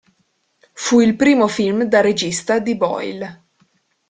Fu il primo film da regista di Boyle.